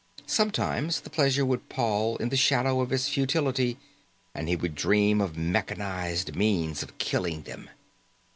Sometimes the pleasure would pall in the shadow of its futility, and he would dream of mechanized means of killing them.